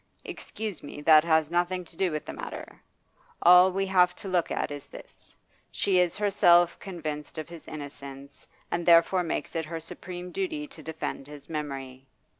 'Excuse me, that has nothing to do with the matter. All we have to look at is this. She is herself convinced of his innocence, and therefore makes it her supreme duty to defend his memory.